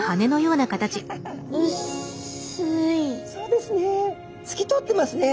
そうですね。